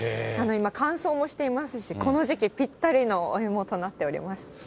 今、乾燥もしていますし、この時期ぴったりのお芋となっております。